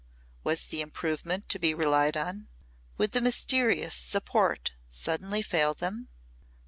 Was the improvement to be relied upon? Would the mysterious support suddenly fail them?